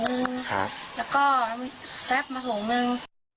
แล้วก็แป๊บมาหงนึง